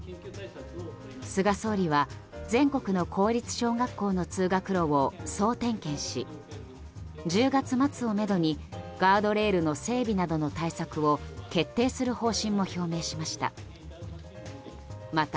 菅総理は全国の公立小学校の通学路を総点検し、１０月末をめどにガードレールの整備などの対策を決定する方針も表明しました。